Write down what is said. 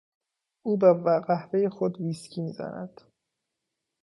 او به قهوهی خود ویسکی میزند.